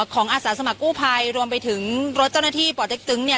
อาสาสมัครกู้ภัยรวมไปถึงรถเจ้าหน้าที่ป่อเต็กตึงเนี่ย